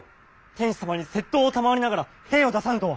天子様に節刀を賜りながら兵を出さぬとは。